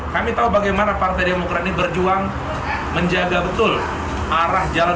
kami tahu bagaimana partai demokrat ini berjuang menjaga betul arah jalan